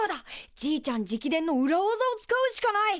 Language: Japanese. じいちゃん直伝の裏わざを使うしかない！